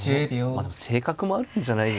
性格もあるんじゃないですかね。